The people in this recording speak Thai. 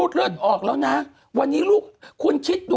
คุณหนุ่มกัญชัยได้เล่าใหญ่ใจความไปสักส่วนใหญ่แล้ว